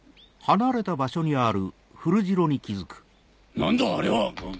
何だあれは！